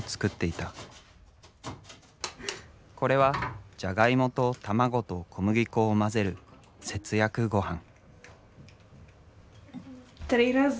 これはジャガイモと卵と小麦粉を混ぜる節約ごはん。